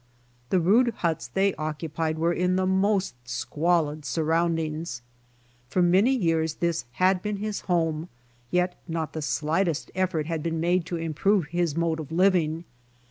The rude huts they occupied were in the most squalid surroundings. For many years this had been his home, yet not the slightest effort had been made to improve his mode of living.